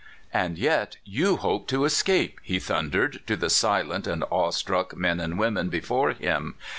"And yet you hope to escape!" he thundered to the silent and awe struck men and women be fore him.